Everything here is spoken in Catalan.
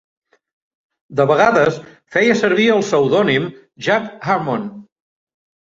De vegades feia servir el pseudònim Jack Harmon.